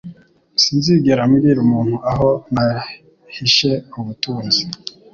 Sinzigera mbwira umuntu aho nahishe ubutunzi